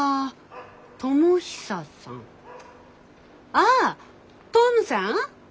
ああトムさん！